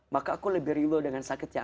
maka aku lebih rilo dengan sakit yang